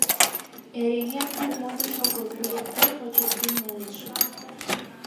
Эреҥер куп модыш огыл; вуетге-почетге нелеш.